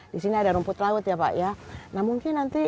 di sini ada rumput laut ya pak ya nah mungkin nanti